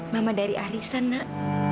mama dari arisan nak